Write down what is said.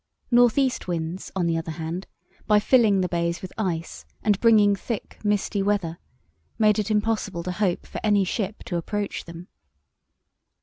North east winds, on the other hand, by filling the bays with ice and bringing thick misty weather, made it impossible to hope for any ship to approach them.